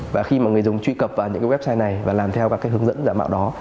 và khi người dùng truy cập vào những website này và làm theo các hướng dẫn giả mạo đó